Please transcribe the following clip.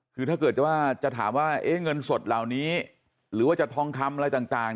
คือถ้าเกิดว่าจะถามว่าเงินสดเหล่านี้หรือว่าจะทองคำอะไรต่าง